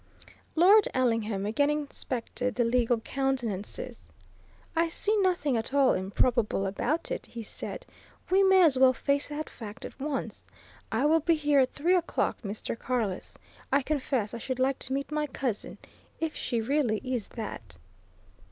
Lord Ellingham again inspected the legal countenances. "I see nothing at all improbable about it," he said. "We may as well face that fact at once. I will be here at three o'clock, Mr. Carless. I confess I should like to meet my cousin if she really is that!"